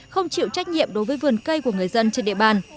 không chịu trách nhiệm đối với vườn cây của người dân trên địa bàn